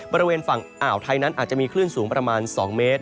บริเวณฝั่งอ่าวไทยนั้นอาจจะมีคลื่นสูงประมาณ๒เมตร